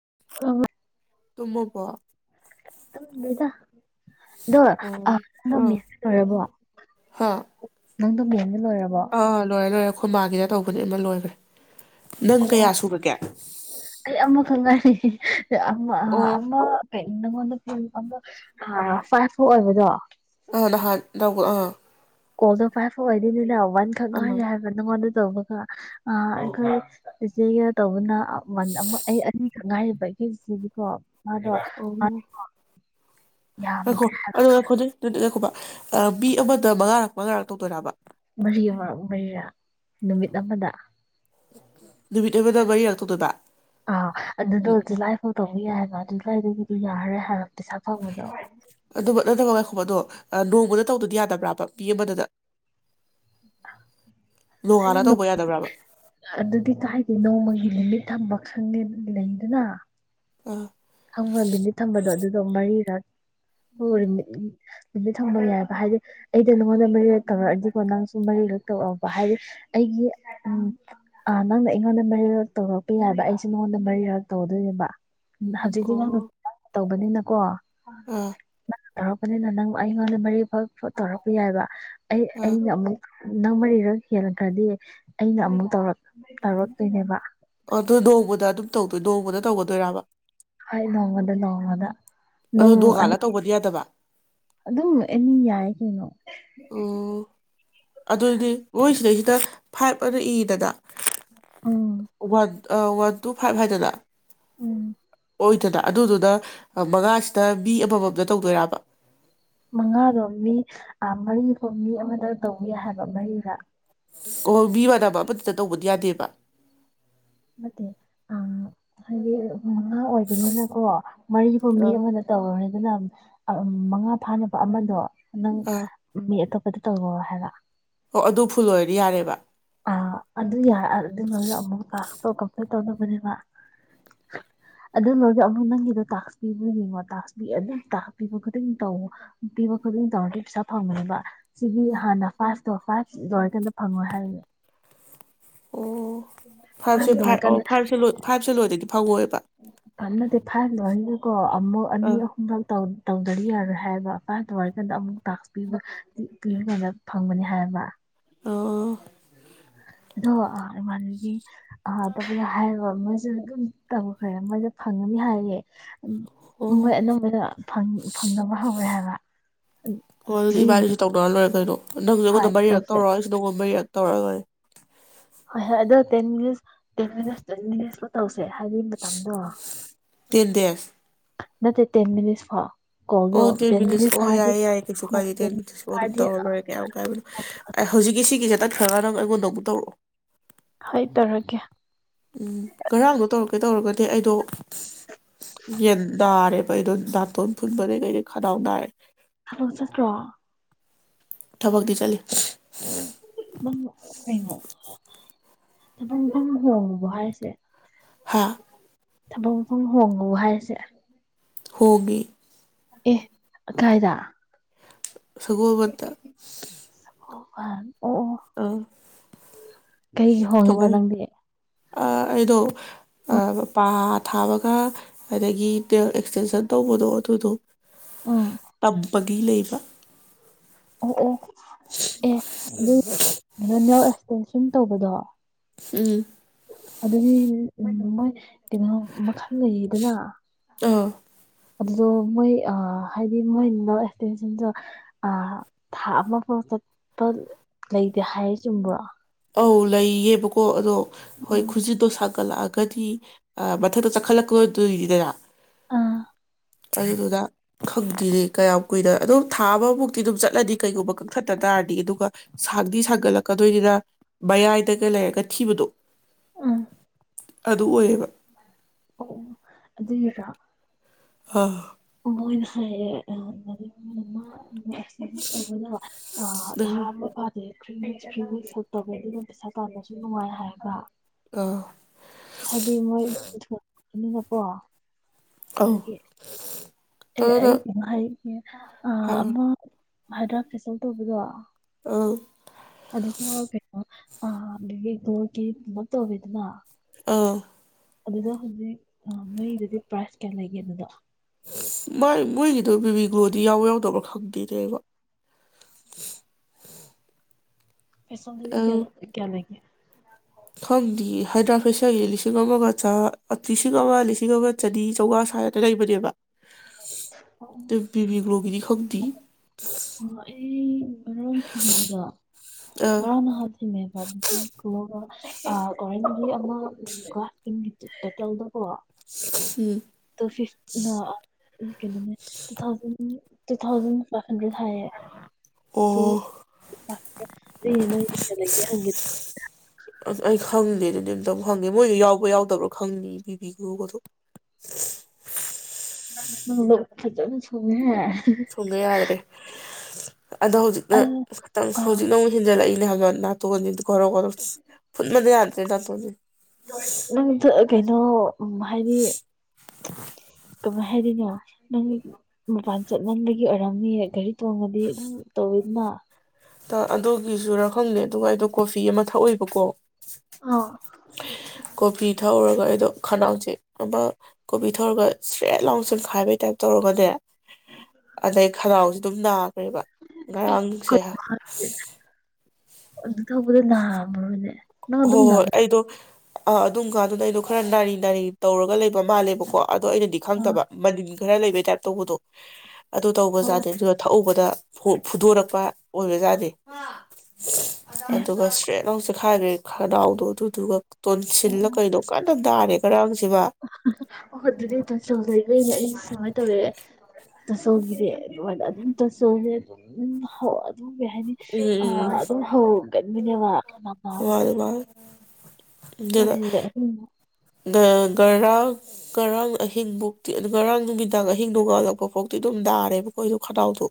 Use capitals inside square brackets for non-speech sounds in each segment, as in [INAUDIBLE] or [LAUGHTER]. ꯑ ꯇꯃꯀꯣ ꯇꯨꯝꯗꯔ꯭ꯤꯇꯥ ꯑꯣ ꯑꯣꯏꯔꯕꯣ ꯅꯪꯗꯝꯕꯣ ꯑ ꯂꯣꯏꯔꯦ ꯂꯣꯏꯔ ꯑꯩꯈꯣꯏ ꯃꯥꯒꯦꯗ ꯇꯧꯕꯅꯤ ꯑꯃ ꯂꯣꯏꯈ꯭ꯔꯦ ꯅꯪ ꯑꯣ ꯀꯌꯥ ꯁꯨꯔꯒꯦ ꯑꯩ ꯑꯃ ꯈꯪꯒꯔꯤ ꯑꯃ ꯑꯣ ꯅꯪꯉꯣꯟꯗꯗꯣ ꯐꯥꯏꯚ ꯐꯣꯔ ꯑꯣꯏꯕꯗꯣ ꯑꯥ ꯅꯍꯥꯟ ꯑꯥ ꯀꯣꯗꯣ ꯐꯥꯏ ꯐꯋꯥ ꯑꯗꯨꯅꯦ ꯋꯥꯟ ꯑꯥ ꯈꯪꯉꯦ ꯍꯥꯏꯒ ꯅꯪꯉꯣꯟ ꯑꯗꯨ ꯇꯧꯕꯒ ꯑꯩꯈꯣꯏ ꯏꯆꯦꯒ ꯇꯧꯕꯅ ꯑꯩ ꯉꯥꯏ ꯁꯤꯗꯤꯀꯣ ꯑꯣ ꯌꯥꯝ ꯑꯩꯈꯣ ꯑꯗꯨ ꯑꯩꯈꯣꯅꯦ ꯑꯗꯨꯗꯤꯈꯣꯕ ꯃꯤ ꯑꯃꯗ ꯃꯉꯥꯔꯛ ꯃꯉꯥꯔꯛ ꯇꯧꯗꯣꯏꯕ ꯃꯔꯤ ꯑꯃ ꯃꯔꯤꯔ ꯅꯨꯃꯤꯠ ꯑꯃꯗ ꯅꯨꯃꯤ ꯇꯕꯗꯕꯏ ꯌꯥꯥꯛꯛꯇꯣ ꯇꯕ ꯑꯥ ꯑꯗꯨꯗ ꯍꯧꯖꯤ ꯂꯥꯏꯐꯥꯎ ꯇꯧꯕ ꯌꯥꯏ ꯃꯥꯅꯤ ꯑꯗꯨꯋꯥꯏꯗꯒꯤꯗꯤ ꯌꯥꯔꯦ ꯍꯥꯏꯔꯦ ꯑꯗꯨ ꯅꯠꯇ ꯀꯥꯏ ꯈꯣꯕꯗꯣ ꯅꯣꯡꯃꯗ ꯇꯧꯗꯗꯤ ꯌꯥꯗꯕ꯭ꯔꯕ ꯃꯤ ꯑꯃꯗꯨꯗ ꯍꯥꯏꯗꯤ ꯅꯣꯡꯉꯥꯟꯅ ꯇꯧꯕ ꯌꯥꯗꯕ꯭ꯔꯥꯕ ꯑꯗꯨꯗꯤ ꯀꯥꯏꯗꯦ ꯅꯣꯡꯃꯒꯤ ꯂꯤꯃꯤꯠ ꯊꯝꯕ ꯈꯪꯗꯦ ꯂꯩꯗꯅ ꯑ ꯈꯪꯕꯣ ꯂꯤꯃꯤꯠ ꯊꯝꯕꯗꯣ ꯑꯗꯨꯗꯣ ꯃꯔꯤꯔꯛ ꯂꯤꯃꯤꯠ ꯊꯝꯕ ꯌꯥꯏꯕ ꯍꯥꯏꯗꯤ ꯑꯩꯗꯤ ꯅꯉꯣꯟꯗ ꯃꯔꯤꯔꯛ ꯇꯧꯔꯛꯑꯗꯤꯀꯣ ꯅꯪꯁꯨ ꯃꯔꯤꯔꯛ ꯇꯧꯔꯛ ꯑꯣꯕ ꯍꯥꯏꯗꯤ ꯑꯩꯒꯤ ꯎꯝ ꯅꯪꯅ ꯑꯩꯉꯣꯟꯗ ꯃꯔꯤꯔꯛ ꯇꯧꯔꯛꯄ ꯌꯥꯏꯕ ꯑꯩꯁꯨꯦ ꯅꯉꯣꯟꯗ ꯃꯔꯤꯔꯛ ꯇꯧꯗꯣꯏꯅꯦꯕ ꯍꯧꯖꯤꯛꯗꯤ ꯅꯪ ꯅꯥ ꯇꯧꯕꯅꯤꯅꯀꯣ ꯑꯝ ꯇꯧꯔꯛꯄꯅꯤꯅ ꯅꯪ ꯑꯩꯉꯣꯟꯗ ꯃꯔꯤ ꯐꯥꯎ ꯇꯧꯔꯛꯄ ꯌꯥꯏꯕ ꯑꯩ ꯑꯥ ꯑꯩꯅ ꯑꯃꯨꯛ ꯅꯪ ꯃꯔꯤꯔꯛ ꯍꯦꯜꯈ꯭ꯔꯗꯤ ꯑꯩꯅ ꯑꯃꯨꯛ ꯇꯧꯔꯛ ꯇꯧꯔꯛꯇꯨꯏꯅꯦꯕ ꯑꯣ ꯑꯗꯨ ꯅꯣꯡꯃꯗ ꯑꯗꯨꯝ ꯇꯧꯗꯣꯏ ꯅꯣꯡꯃꯗ ꯇꯧꯒꯗꯣꯏꯔꯕ ꯍꯣꯏ ꯅꯣꯡꯃꯗ ꯅꯣꯡꯃꯗ ꯑꯗꯨ ꯅꯪ ꯅꯣꯡ ꯉꯥꯜꯂꯥ ꯑꯅꯤ- ꯇꯧꯕꯗꯤ ꯌꯥꯗꯕ ꯑꯗꯨꯝ ꯑꯦꯅꯤ ꯌꯥꯏ ꯀꯩꯅꯣ ꯑꯣ ꯑ ꯗ ꯐꯥꯏꯚ ꯑꯅ ꯏꯗꯅ ꯎꯝ ꯋꯥꯟ ꯑ ꯋꯥꯟ ꯇꯨ ꯐꯥꯏꯚ ꯍꯥꯏꯗꯅ ꯎꯝ ꯑꯣꯏꯗꯅ ꯑꯗꯨꯗꯨꯅ ꯑ ꯃꯉꯥꯁꯤꯗ ꯃꯤ ꯑꯃꯝ ꯃꯝꯗ ꯇꯧꯗꯣꯏꯔꯕ ꯃꯉꯥꯗꯣ ꯃꯤ ꯃꯔꯤꯐꯣ ꯃꯤ ꯑꯃꯗ ꯇꯧꯅꯤ ꯍꯥꯏꯕ ꯃꯔꯤꯗ ꯑꯣ ꯃꯤ ꯃꯥꯟꯅꯕ ꯑꯃꯗꯨꯗ ꯇꯧꯕꯗꯤ ꯌꯥꯗꯦꯕ ꯅꯠꯇꯦ ꯑ ꯍꯥꯏꯗꯤ ꯃꯉꯥ ꯑꯣꯏꯕꯅꯤꯅꯀꯣ ꯃꯔꯤꯐꯨ ꯃꯤ ꯑꯥ ꯑꯃꯗ ꯇꯧꯔꯨꯔꯦꯗꯅ ꯑ ꯃꯉꯥ ꯐꯥꯅꯕ ꯑꯃꯗꯣ ꯅꯪ ꯑꯥ ꯃꯤ ꯑꯇꯣꯞ ꯑꯗꯨ ꯇꯧꯋꯣ ꯍꯥꯏꯕ ꯑꯣ ꯑꯗꯨ ꯐꯨꯜ ꯑꯣꯏꯔꯗꯤ ꯌꯥꯔꯦꯕ ꯑ ꯑꯗꯨ ꯌꯥ ꯑ ꯑꯗꯨꯏ ꯃꯅꯨꯡꯗ ꯀꯥ ꯇꯥꯛꯁ ꯇꯣ ꯀꯃꯄ꯭ꯂꯤꯠ ꯫ ꯇꯧꯅꯕꯅꯦꯕ ꯑꯗꯨ ꯂꯣꯏꯔꯒ ꯑꯃꯨꯛ ꯅꯪꯒꯤꯗꯣ ꯇꯥꯛꯁ ꯄꯤꯕ꯭ꯔꯥ ꯌꯦꯡꯉꯣ ꯇꯥꯛꯁ ꯄꯤ ꯑꯗꯨꯝ ꯇꯥꯛꯁ ꯄꯤꯕ ꯈꯨꯗꯤꯡ ꯇꯧ ꯄꯤꯕ ꯈꯨꯗꯤꯡ ꯇꯧꯔꯗꯤ ꯄꯩꯁꯥ ꯐꯪꯕꯅꯦꯕ ꯁꯤꯗꯤ ꯍꯥꯟꯅ ꯐꯥꯁ ꯇꯣ ꯐꯥꯏꯚ ꯂꯣꯏꯔ ꯀꯥꯟꯗ ꯐꯪꯉꯣꯏ ꯍꯥꯏꯔꯒꯦ ꯑꯣ ꯐꯥꯏꯚꯁꯦ ꯐꯥꯏꯚ ꯑꯣ ꯐꯥꯏꯚꯁꯦ ꯂꯣꯏ ꯐꯥꯏꯚꯁꯦ ꯂꯣꯏꯗꯣꯏꯗꯤ ꯐꯪꯉꯣꯏꯕ ꯀꯟꯅꯗꯦ ꯐꯥꯏꯚ ꯂꯣꯏ ꯔꯅꯤꯗꯀꯣ ꯑꯃꯨꯛ ꯑꯅꯤ ꯑꯥ ꯑꯍꯨꯝꯔꯛ ꯇꯧ ꯇꯧꯗꯗꯤ ꯌꯥꯔꯣꯏ ꯍꯥꯏꯌꯦꯕ ꯐꯥꯏꯚ ꯂꯣꯏꯔꯀꯥꯟꯗ ꯑꯃꯨꯛ ꯇꯥꯛꯁ ꯄꯤ ꯄꯤꯕ ꯄꯤꯔꯀꯥꯟꯗ ꯐꯪꯕꯅꯤ ꯍꯥꯏꯕ ꯑꯣ ꯑꯗꯣ ꯏꯃꯥꯟꯅꯕꯤ ꯑꯍꯥꯕꯒꯤ ꯍꯥꯏꯔꯣ ꯃꯣꯏꯁꯨ ꯑꯗꯨꯝ ꯇꯧꯈ꯭ꯔꯦ ꯃꯣꯏꯁꯨ ꯐꯪꯉꯅꯤ ꯍꯥꯏꯌꯦ ꯑꯣ ꯃꯣꯏ ꯑꯅꯝꯕꯅ ꯐꯪ ꯐꯪꯅꯕ ꯍꯧꯔꯦ ꯍꯥꯏꯕ ꯑꯣ ꯑꯗꯨꯗꯤ ꯑꯗꯨꯒꯤꯅꯤ ꯏꯕꯥꯅꯤꯁꯨ ꯇꯧꯅꯔ ꯂꯣꯏꯔꯦ ꯀꯩꯅꯣ ꯍꯣꯏ ꯇꯧꯁꯦ ꯇꯧꯔꯒꯦ ꯍꯣꯏ ꯍꯣꯏ ꯑꯗꯨꯣ ten minutes ten minutes ten minutes ꯐꯥꯎ ꯇꯧꯁ ꯍꯥꯏꯗꯤ ꯃꯇꯝꯗꯣ ꯇꯦꯟ ꯗꯦꯖ ꯅꯠꯇ ꯇꯦꯟ ꯃꯤꯅꯤꯠꯁ ꯐꯥꯎ ꯑꯣ ꯇꯦꯟ ꯃꯤꯅꯤꯠꯁ ꯑꯣ ꯌꯥꯏꯌꯦ ꯌꯥꯏꯌꯦ ꯀꯩꯁꯨ ꯍꯣꯏ ꯀꯥꯏꯗꯦ ꯇꯦꯟ ꯃꯤꯅꯤꯠ ꯃꯤꯅꯤꯠꯁ ꯑꯣ ꯑꯗꯨꯝ ꯐꯥꯔꯗꯤ ꯇꯧꯔꯔꯦ ꯀꯌꯥꯝ ꯀꯥꯏꯕꯅꯣ ꯍꯧꯖꯤꯛꯀꯤ ꯁꯤꯒꯤꯁꯤ ꯇꯠꯈ꯭ꯔꯒ ꯅꯪ ꯑꯩꯉꯣꯟꯗ ꯑꯃꯨꯛ ꯇꯧꯔꯛꯑꯣ ꯍ ꯇꯔꯒꯦ ꯎꯝ ꯉꯔꯥꯡꯗꯣ ꯇꯧꯔꯛ ꯀꯩꯗꯧꯔꯒꯗꯤ ꯑꯩꯗꯣ ꯌꯦꯟ ꯅꯥꯔꯦꯕ ꯑꯩꯗꯣ ꯅꯥꯇꯣꯟ ꯐꯨꯟꯕꯗꯩ ꯀꯩꯗꯩ ꯈꯗꯥꯎ ꯅꯥꯔꯦ ꯍꯜꯂꯣ ꯆꯠꯇ꯭ꯔꯣ ꯊꯕꯛꯗꯤ ꯆꯠꯂꯤ ꯅꯪ ꯀꯩꯅꯣ ꯊꯕꯛ ꯃꯐꯝ ꯍꯣꯡꯂꯕꯣ ꯍꯥꯏꯁꯦ ꯍꯥꯥ ꯊꯕꯛ ꯃꯐꯝ ꯍꯣꯡꯕ ꯍꯥꯏꯁꯦ ꯍꯣꯡꯉꯦ ꯑꯦ ꯀꯥꯏꯗ ꯁꯒꯣꯜꯕꯟꯗ ꯐꯥꯟ ꯑꯣ ꯑꯣ ꯑꯥ ꯀꯩꯒꯤ ꯍꯣꯡꯉꯤꯕ ꯀꯃꯥꯏ ꯅꯪꯗꯤ ꯑꯩꯗꯣ ꯎꯝ ꯄꯥ ꯊꯥꯕꯒ ꯑꯗꯒꯤ ꯑꯦꯛꯁꯇꯦꯟꯁꯟ ꯇꯧꯕꯗꯣ ꯑꯗꯨꯗꯣ ꯎꯝ ꯇꯝꯕꯒꯤ ꯂꯩꯕ ꯎ ꯑꯦ ꯑꯗꯨ ꯑꯦꯛꯇꯦꯟꯁꯟ ꯇꯧꯕꯗꯣ ꯎꯝ ꯑꯗꯨꯗꯤ ꯃꯣꯏ ꯀꯩꯅꯣ ꯃꯈꯜ ꯂꯩꯌꯦꯗꯅ ꯑꯥ ꯑꯗꯨꯗꯣ ꯃꯣꯏ ꯍꯥꯏꯗꯤ ꯃꯣꯏ ꯅ ꯑꯦꯛꯁꯇꯦꯟꯁꯟꯁꯨ ꯊꯥ ꯑꯃ ꯐꯥꯎ ꯆꯠꯄ ꯂꯩꯇꯦ ꯍꯥꯏ ꯆꯨꯝꯕ꯭ꯔꯣ ꯑꯧ ꯂꯩꯌꯦꯕꯀꯣ ꯑꯗꯣ ꯍꯣꯏ ꯎꯝ ꯈꯨꯨꯁꯤꯗꯣ ꯁꯥ ꯆꯈꯠꯂꯛꯑꯒꯗꯤ ꯃꯊꯛꯇ ꯆꯈꯠꯂꯛꯀꯗꯣꯏꯗꯣꯏꯅꯤꯗꯅ ꯑꯥ ꯑꯗꯨꯗꯨꯅ ꯈꯪꯗ꯭ꯔꯤꯅꯦ ꯀꯌꯥꯝ ꯀꯨꯏꯅ ꯑꯗꯨꯝ ꯊꯥ ꯑꯃꯃꯨꯛꯇꯤ ꯑꯗꯨꯝ ꯆꯠꯂꯗꯤ ꯀꯩꯒꯨꯝꯕ ꯀꯪꯊꯠꯇ ꯇꯥꯔꯗꯤ ꯑꯗꯨꯒ ꯁꯥꯡꯗꯤ ꯁꯥꯥꯡꯒꯠꯂꯛꯀꯗꯣꯏꯅꯤꯅ ꯃꯌꯥꯏꯗꯒ ꯂꯩꯔꯒ ꯊꯤꯕꯗꯣ ꯎꯝ ꯑꯗꯨ ꯑꯣꯏꯌꯦꯕ ꯑꯣ ꯑꯗꯨꯅꯔꯥ ꯑꯥ ꯃꯣꯏꯅ ꯍꯥꯏꯔꯛ ꯑꯦ ꯑꯦꯛꯁꯇꯦꯟꯁꯟ ꯇꯧꯕꯩꯗꯣ ꯅꯪ ꯊꯥ ꯑꯃꯥ ꯐꯗꯦ ꯇꯧꯕ ꯑꯗꯨꯅ ꯄꯩꯁꯥ ꯇꯥꯟꯕꯁꯨ ꯅꯨꯡꯉꯥꯏ ꯍꯥꯏꯔꯒ ꯑꯥ ꯍꯥꯏꯗꯤ ꯃꯣꯏ ꯏꯒꯄ ꯑꯧ ꯗꯗꯒꯤ ꯑꯗꯨꯅ ꯑꯩ [INAUDIBLE] ꯑ ꯍꯥꯏꯔꯣ ꯑ ꯍꯥꯏꯗ꯭ꯔꯥꯛ ꯐꯦꯁꯜ ꯇꯧꯕꯗꯣ ꯑ ꯑꯗꯨ ꯀꯣ ꯑ ꯇꯒꯤꯦ ꯃ ꯇꯧꯕꯤ ꯑꯗꯨꯃ ꯑꯥ ꯑꯗꯨꯗ ꯍꯧꯖꯤꯛ ꯅꯣꯏꯗꯗꯤ ꯄ꯭ꯔꯥꯏꯖ ꯀꯌꯥ ꯂꯩꯒꯦ ꯑꯗꯨꯗ ꯃ ꯑꯗꯨꯣ ꯕꯤꯕꯤ ꯒ꯭ꯂꯣꯗꯤ ꯌꯥꯎꯕ ꯌꯥꯎꯗꯕ꯭ꯔꯥ ꯈꯪꯗꯦꯅꯦꯕ ꯐꯩꯁꯣꯗ ꯀꯌꯥ ꯀꯌꯥ ꯂ ꯀꯦ ꯈꯪꯗꯤ ꯍꯥꯏꯗ꯭ꯔꯥꯐꯦꯁꯟꯁ ꯂꯤꯁꯤꯡ ꯑꯃꯒ ꯂꯤꯁꯤꯡ ꯑꯃ ꯂꯤꯁꯤꯡ ꯑꯃꯒ ꯆꯅꯤ ꯆꯥꯝꯃꯉꯥ ꯁ꯭ꯋꯥꯥꯏꯗ ꯂꯩꯕꯅꯦꯕ ꯇ ꯄꯕꯤꯕꯤꯒ꯭ꯂꯒꯅꯤ ꯍꯛꯇꯗꯤ ꯑꯩ ꯉꯔꯥꯡ ꯊꯦꯡꯅꯕꯗꯣ ꯑꯥ ꯉꯔꯥꯡ ꯅꯍꯥ ꯊꯦꯡꯉꯕꯄꯤ ꯀꯒ ꯑꯔ ꯃ ꯑ ꯆꯇꯗ ꯄꯣ ꯎꯝ ꯇ ꯐ ꯀꯩꯅꯣꯅꯦ ꯇꯨ ꯊꯥꯎꯖꯟ ꯇꯨ ꯊꯥꯎꯖꯟ ꯐ ꯑꯗꯨ ꯊꯌꯦ ꯇ ꯑꯣ ꯐ ꯑꯗꯨ ꯅꯣꯏ ꯂꯩꯦ ꯍꯪ ꯑꯗꯨꯝ ꯍꯪꯉꯦ ꯃꯣꯏꯁꯨ ꯌꯥꯎꯕ ꯌꯥꯎꯗꯕ꯭ꯔꯣ ꯈꯪꯅꯤ ꯕꯤꯕꯤꯒꯨꯒꯗꯣ ꯅꯪ ꯂ ꯈꯖꯅ ꯁꯅꯦ ꯊꯨꯡꯕ ꯌꯥꯗ꯭ꯔꯦ ꯑꯗꯣ ꯍꯧꯖꯤꯛꯅ ꯑꯗꯨ ꯈꯤꯇꯪ ꯑꯥ ꯍꯧꯖꯤꯛꯅ ꯑꯃꯨꯛ ꯍꯦꯟꯖꯜꯂꯛꯏ ꯍ ꯅꯅꯥꯇꯣꯅꯤ ꯔꯔ ꯐꯨꯟ ꯃ ꯔꯦ ꯅꯅꯥꯇꯣꯅꯤ ꯅꯪꯗ ꯀꯩꯅꯣ ꯍꯥꯏꯗꯤ ꯀꯃꯥꯏ ꯍꯥꯏꯔꯤꯅꯣ ꯅꯪ ꯃꯄꯥꯟ ꯆꯠꯅꯝꯕꯒꯤ ꯑꯣꯏꯔꯝꯃꯤ ꯒꯥꯔꯤ ꯇꯣꯡꯉꯗꯤ ꯑꯗꯨꯝ ꯇꯧꯋꯤꯗꯅ ꯑꯗꯨꯒꯤꯁꯨꯔꯥ ꯈꯪꯗꯦ ꯑꯗꯨꯒ ꯑꯩꯗꯣ ꯀꯣꯐꯤ ꯑꯃ ꯊꯛꯑꯣꯏꯕꯀꯣ ꯑꯥ ꯀꯣ ꯄ ꯊꯥ ꯑꯣꯔ ꯑꯗꯣ ꯑꯩꯗꯣ ꯈꯅꯥꯎꯁꯦ ꯑꯃ ꯀꯣꯕꯤ ꯊꯧꯔꯒ ꯁ꯭ꯔꯦꯠ ꯂꯥꯎ ꯁꯟ ꯈꯥꯏꯕꯩ ꯇꯥꯏꯞ ꯇꯧꯔꯒꯅꯦ ꯑꯗꯩ ꯈꯅꯥꯎꯁꯦ ꯑꯗꯨꯝ ꯅꯥ ꯑꯣꯏꯔꯤꯕ ꯉꯔꯥꯡꯁꯦ ꯑꯗꯨ ꯇꯧꯕꯗ ꯅꯥꯝꯃꯣꯅꯦ ꯍꯣ ꯍꯣꯏ ꯑꯩꯗꯣ ꯑꯥ ꯑꯗꯨꯝ ꯀꯥꯟꯗꯨꯗ ꯑꯩꯅꯣ ꯈꯔ ꯅꯥꯔꯤ ꯅꯥꯔꯤ ꯇꯧꯔꯒ ꯂꯩꯕ ꯃꯥꯜꯂꯦꯕꯀꯣ ꯑꯗꯣ ꯑꯩꯅꯗꯤ ꯑꯥ ꯈꯪꯗꯕ ꯃꯅꯤꯟ ꯈꯔ ꯂꯩꯕꯩ ꯇꯥꯏꯞ ꯇꯧꯕꯗꯣ ꯑꯗꯨ ꯑꯣ ꯑꯣ ꯇꯧꯕꯖꯗꯦ ꯑꯗꯨꯗ ꯊꯛꯎꯧꯕꯗ ꯐꯨꯗꯣꯔꯛꯄ ꯑꯣꯏꯕ ꯌꯥꯗꯦ ꯑꯦ ꯑꯗꯨꯒ ꯁꯇ꯭ꯔꯦꯠ ꯂꯥꯎ ꯆꯦꯈꯏꯒꯤ꯫ ꯈꯅꯥꯎꯗꯣ ꯑꯗꯨꯗꯨꯒ ꯑꯣ ꯇꯣꯟꯁꯤꯜꯂ ꯑꯣ ꯀꯩꯅꯣ ꯀꯟꯅ ꯅꯥꯔꯦ ꯉꯔꯥꯡꯁꯤ ꯅꯥ ꯑꯣ ꯑꯗꯨꯗꯤ [UNINTELLIGIBLE] ꯑꯩ ꯁꯨꯃꯥꯏꯅ ꯇꯧꯋꯦ꯫ [UNINTELLIGIBLE] ꯑꯗꯨꯝ ꯀꯩ ꯍꯥꯏꯅꯤ ꯑ ꯎꯝ ꯑꯗꯨꯝ ꯍꯧꯒꯟꯅꯤꯅꯦꯕ ꯎꯝ ꯃꯥꯅꯦ ꯃꯥꯅꯦ [UNINTELLIGIBLE] ꯑꯗꯨꯅ [UNINTELLIGIBLE] ꯉꯔꯥꯡ ꯉꯔꯥꯡ ꯑꯍꯤꯡꯐꯧꯇꯤ ꯉꯔꯥꯡ ꯅꯨꯃꯤꯗꯥꯡ ꯑꯍꯤꯡ ꯅꯣꯡꯉꯥꯜꯂꯛꯄ ꯐꯥꯎꯗꯤ ꯑꯗꯨꯝ ꯅꯥꯔꯦꯕꯀꯣ ꯑꯩꯗꯣ ꯈꯅꯥꯎꯗꯣ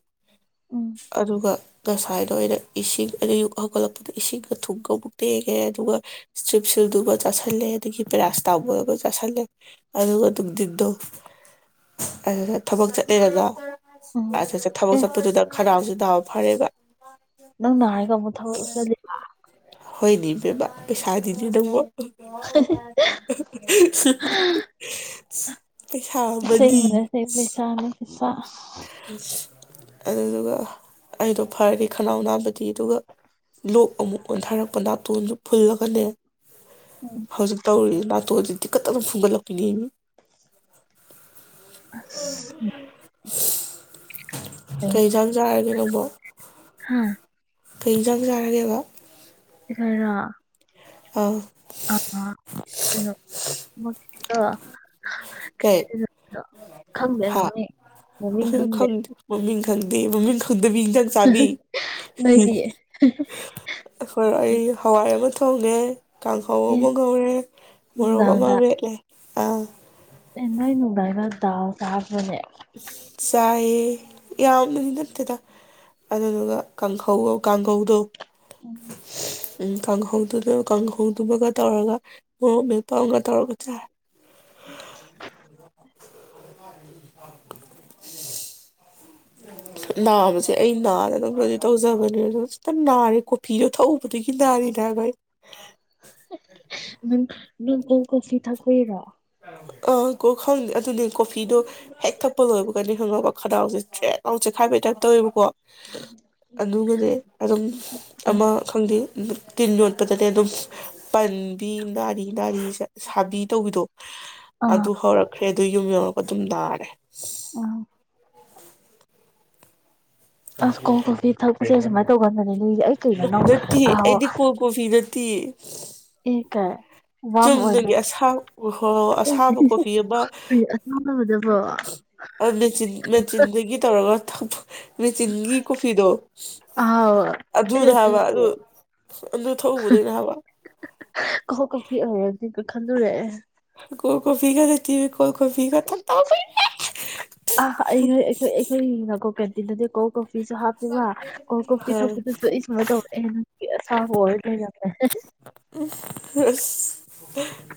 ꯎꯝ ꯑꯗꯨꯒ ꯉꯁꯥꯏꯅ ꯏꯁꯤꯡ ꯑꯩꯅ ꯑꯌꯨꯛ ꯍꯧꯒꯠꯂꯛꯄꯗ ꯏꯁꯤꯡꯒ ꯊꯨꯡꯒ ꯑꯃꯨꯛ ꯇꯦꯛꯉꯦ ꯑꯗꯨꯒ ꯏꯁꯇ꯭ꯔꯤꯞꯁꯤꯜꯗꯨꯒ ꯆꯥꯥꯁꯜꯂꯦ ꯑꯗꯒꯤ ꯄꯦꯔꯥ ꯁꯤꯠꯃꯣꯜ ꯒꯥ ꯆꯥꯁꯤꯜꯂꯦ ꯑꯗꯨꯒ ꯅꯨꯡꯊꯤꯟꯗꯣ ꯑꯗꯨꯒ ꯊꯕꯛ ꯆꯠꯅꯔꯒ ꯎꯝ [UNINTELLIGIBLE] ꯊꯕꯛ ꯑꯦ ꯆꯠꯄꯗꯨꯗꯥ ꯈꯅꯥꯎꯁꯦ ꯗꯥꯎ ꯐꯔꯕ ꯅꯪ ꯅꯥꯏ ꯍꯥꯏꯔꯒ ꯑꯃꯨꯛ ꯊꯕꯛ ꯆꯠꯂꯤꯕ? ꯍꯣꯏꯅꯦꯕꯦꯕ ꯄꯩꯁꯥꯅꯤꯅꯦ ꯅꯪꯕꯣ꯫ [UNINTELLIGIBLE] [UNINTELLIGIBLE] ꯑꯃꯅꯤ ꯑꯁꯦꯡꯕꯅꯦ ꯑꯁꯦ ꯄꯩꯁꯥꯅꯤ ꯁꯦ꯫ [UNINTELLIGIBLE] ꯑꯗꯨꯗꯨꯒ ꯑꯩꯗꯣ ꯐꯔꯗꯤ ꯈꯅꯥꯎ ꯅꯥꯕꯗꯤ ꯑꯗꯨꯒ ꯂꯣꯛ ꯑꯃꯨꯛ ꯑꯣꯟꯊꯔꯛꯄ ꯅꯥꯇꯣꯟꯁꯨ ꯐꯨꯜꯂꯒꯅꯦ ꯎꯝ ꯍꯧꯖꯤꯛ ꯇꯧꯔꯤ ꯂ ꯇꯣꯟꯖꯤ ꯇꯤꯀꯠ ꯇꯥꯅꯥ ꯐꯨꯟ ꯒꯠꯂꯛꯄꯤꯅꯦꯃꯤ! ꯑꯁ ꯀꯩꯖꯥꯡ ꯆꯥꯔꯒꯦ ꯅꯪꯕꯣ? ꯍꯥ ꯀꯩ ꯏꯟꯁꯥꯡ ꯆꯥꯔꯒꯦꯕ? ꯑꯦꯈꯣꯏ ꯔꯣ? ꯑꯧ꯫ [UNINTELLIGIBLE] ꯀꯦ ꯀꯩꯅꯣ ꯈꯪꯗꯦ ꯍꯥ ꯃꯃꯤꯡ ꯃꯃꯤꯡ ꯈꯪꯗꯦ [UNINTELLIGIBLE] ꯃꯃꯤꯡ [UNINTELLIGIBLE] ꯗꯕꯤ ꯏꯟꯖꯥꯡ ꯆꯥꯕꯤ ꯅꯣꯏꯗꯤ ꯑꯦ ꯍꯣꯏ ꯑꯩ ꯍꯋꯥꯏ ꯑꯃ ꯍꯣꯏꯅꯦ ꯀꯥꯡꯍꯧ ꯑꯃ ꯉꯧꯔꯦ ꯃꯣꯔꯣꯛ ꯑꯃ ꯅꯨꯡꯗꯥꯡꯗ ꯃꯦꯠꯂꯦ꯫ ꯑꯥ꯫ ꯑꯦ ꯅꯣꯏ ꯅꯨꯡꯗꯥ [UNINTELLIGIBLE] ꯑꯗꯨꯅ ꯆꯥꯏꯌꯦ ꯌꯥꯝꯅꯗꯤ ꯅꯠꯇꯦꯗ ꯑꯗꯨꯗꯨꯒ ꯀꯥꯡꯈꯧ ꯀꯥꯡꯈꯧꯗꯣ ꯎꯝ [INAUDIBLE] ꯎ ꯀꯥꯡꯍꯧꯗꯨꯅ ꯀꯥꯡꯍꯧꯗꯨꯃꯒ ꯇꯧꯔꯒ ꯃ ꯃꯄꯥ ꯑꯃꯒ ꯇꯧꯔꯒ ꯆꯥꯏ [INAUDIBLE] ꯑ [INAUDIBLE] ꯅꯥꯕꯁꯦ ꯑꯩ ꯅꯥꯔꯒꯕꯗꯤ ꯇꯧꯖꯕꯅꯦ ꯑ ꯈꯤꯇꯪ ꯅꯥꯔꯦ ꯀꯣꯐꯤꯗꯣ ꯊꯛꯎꯕꯗꯒꯤ ꯅꯥꯔꯤꯦꯅꯦ ꯍꯥꯏꯕ ꯑꯩ ꯎ ꯅꯪꯕꯨꯣꯡ ꯀꯣꯐꯤ ꯊꯥꯀꯨꯏꯔꯣ ꯑ ꯀ ꯈꯪ ꯑꯗꯨꯗꯤ ꯀꯣꯐꯤꯗꯣ ꯍꯦꯛ ꯊꯛꯄ ꯂꯣꯏꯕ ꯑꯩꯈꯣꯏꯅ ꯈꯪꯉꯒ ꯈꯗꯥꯎꯁꯦ ꯆꯦꯛ ꯂꯥꯎ ꯆꯦꯛꯈꯥꯏꯕꯩ ꯇꯥꯏꯞ ꯇꯧꯦꯕꯀꯣ ꯑꯗꯨꯒꯗꯤ ꯑꯗꯨꯝ ꯑꯃ ꯈꯪꯗꯦ ꯇꯤꯟ ꯌꯣꯠꯄꯗꯗꯤ ꯑꯗꯨꯝ ꯄꯟꯕꯤ ꯔꯤ ꯅꯥꯔꯤ ꯁꯥꯕꯤ ꯇꯧꯕꯤꯗꯣ ꯑꯥ ꯑꯗꯨ ꯍꯧꯔꯛꯈ꯭ꯔꯦ ꯑꯗꯨ ꯌꯨꯝ ꯌꯧꯔꯒ ꯑꯗꯨꯝ ꯅꯥꯔꯦ ꯑ ꯑꯁ ꯀꯣ ꯀꯣ ꯐ ꯊꯛꯄꯃꯥꯏ ꯇꯧꯒꯗꯅꯦ ꯔꯠꯇ ꯑꯩꯗꯤ ꯀꯣ ꯀꯣꯐꯤ ꯔ ꯇꯤ ꯑꯦꯥꯏ ꯆꯨꯝꯅꯒꯤ ꯑꯁꯥ ꯍ ꯑꯁꯥꯕ ꯀꯣꯐꯤ ꯑꯃ ꯑꯗꯨꯕ꯭ꯔꯣ ꯃꯦꯆꯤꯟ ꯃꯦꯆꯤꯟꯗꯒꯤ ꯇꯧꯔꯒ ꯊꯛ ꯃꯦꯆꯤꯟꯒꯤ ꯀꯣꯐꯤꯗꯣ ꯑꯥꯎ ꯑꯩ ꯑꯗꯨꯅ ꯍꯥꯏꯕ ꯑꯗꯨꯕꯨ ꯑꯗꯨ ꯑꯗꯨ ꯊꯧꯕꯗꯅꯦ ꯍꯥꯏꯕ ꯈꯟꯗꯨꯔꯑꯦ ꯀꯣꯐꯤ ꯀꯗꯇ ꯀꯣꯏ ꯀꯣꯏ ꯉꯠ ꯊꯇꯥ ꯇꯗꯗꯤꯦ ꯀꯣ ꯀꯣ ꯀꯣꯐꯤꯁꯨ ꯍꯥꯞꯄꯦꯕ ꯀꯣꯜ ꯀꯣꯐꯤ ꯊꯛꯄꯗꯁꯨ ꯑꯩ ꯁꯨꯃꯥꯏ ꯇꯧꯔꯛꯑꯦꯁ ꯑ ꯍꯗ ꯌꯥꯗ ꯎꯝ ꯑꯁ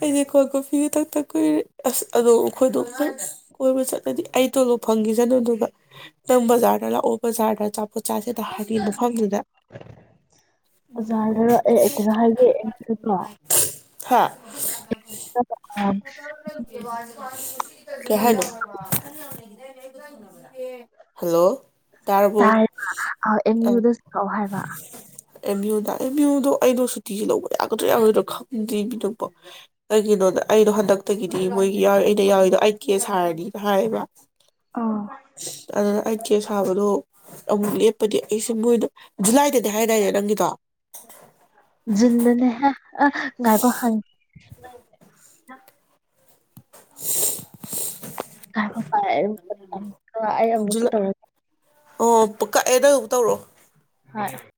ꯑꯩꯗꯤ ꯀꯣ ꯀꯣꯐꯤꯒꯤ ꯊꯛꯇ ꯀꯨꯏꯔꯦ ꯑꯁ ꯑꯗꯣ ꯑꯩꯈꯣꯏꯗꯣ ꯀꯣꯏꯕ ꯆꯠꯂꯗꯤ ꯑꯩ ꯇꯣꯂꯣꯞ ꯐꯪꯈꯤꯁꯅꯨꯗꯨ ꯅꯪ ꯕꯖꯥꯔꯗ ꯂꯥꯛꯑꯣ ꯕꯖꯥꯔꯗ ꯄꯠꯆꯥꯁꯤꯗ ꯍꯥꯏꯕꯤ ꯃꯐꯝꯗꯨꯗ ꯕꯖꯥꯔꯗꯔ ꯑꯦ ꯑꯩ ꯀꯩꯅꯣ ꯍꯥꯏꯒꯦ ꯑꯦꯝ ꯌꯨꯗꯀꯣ ꯉꯥꯏ ꯍꯥ ꯀ ꯍꯥꯏꯅꯤ ꯍꯜꯂꯣ ꯇꯥꯔꯕꯣ ꯇꯥꯏ ꯑꯦꯝ ꯑ ꯌꯨꯗ ꯆꯛꯑꯣ ꯍꯥꯏꯕ ꯑꯦꯝ ꯌꯨꯗ ꯑꯦꯝ ꯌꯨꯗꯣ ꯑꯩꯗꯣ ꯅꯨꯡꯤ ꯂꯧꯕ ꯌꯥꯒꯗ꯭ꯔꯥ ꯌꯥꯗꯣꯏꯗ꯭ꯔꯣ ꯈꯪꯗ꯭ꯔꯤꯕꯅꯕꯣ ꯀꯩꯒꯤꯅꯣꯗ ꯑꯩꯩꯅꯣ ꯍꯟꯗꯛꯇꯒꯤꯗꯤ ꯃꯣꯏꯒꯤ ꯌꯥꯎ ꯑꯩꯅ ꯌꯥꯎꯔꯤꯗꯣ ꯑꯩ ꯀꯦꯁ ꯍꯥꯏꯔꯅꯤꯅ ꯍꯥꯏꯌꯦꯕ ꯑꯗꯨꯅ ꯑꯩ ꯀꯦ ꯁꯥꯕꯗꯣ ꯑꯃꯨꯛ ꯂꯦꯞꯄꯗꯤ ꯑꯩꯁꯦ ꯃꯣꯏꯗ ꯖꯨꯂꯥꯏꯗꯗꯤ ꯍꯥꯏꯗꯥꯏꯅꯦ ꯅꯪꯒꯤꯗꯣ ꯗꯅꯦ ꯍꯥꯏ ꯑ ꯥꯏꯕ ꯍꯥꯟ ꯑꯦ [INAUDIBLE] ꯀ ꯛꯇ ꯖꯨꯂꯥꯏ ꯇꯧ ꯑꯣ ꯀꯛꯑꯦꯗꯐꯕꯨ ꯇꯧꯔꯣ ꯍꯣꯏ